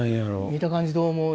見た感じどう思う？